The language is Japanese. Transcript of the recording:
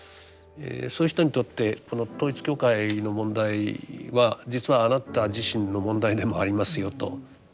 そういう人にとってこの統一教会の問題は実はあなた自身の問題でもありますよと。